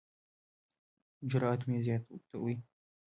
جرات مې زیاتوي.